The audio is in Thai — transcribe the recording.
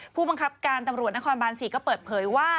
ผู้บังคับการตำรวจนครบาน๔ก็เปิดเผยว่า